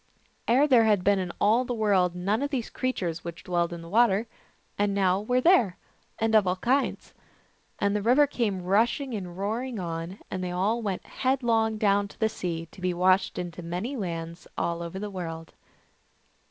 Ere this there had been in all the world none of the creatures which dwell in the water, and now they were there, and of all kinds. And the river came rushing and roaring on, and they all went head long down to the sea, to be washed into many lands over all the world.